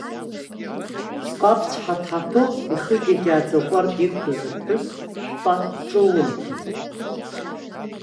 Зҟаԥцә ҳаҭ-ҳаҭо, ихыгьагьааӡа аҟәардә иқәтәаз аԥҳәыс шәпа ҿылымҭит.